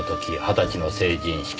二十歳の成人式。